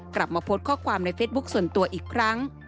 กลับมาโพสต์ข้อความในเฟซบุ๊คส่วนตัวอีกครั้ง